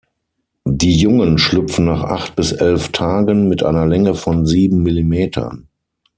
Die Jungen schlüpfen nach acht bis elf Tagen mit einer Länge von sieben Millimetern.